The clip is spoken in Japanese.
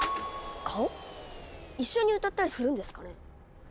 一緒に歌ったりするんですかね。